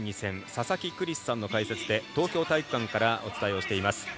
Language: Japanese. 佐々木クリスさんの解説で東京体育館からお伝えをしています。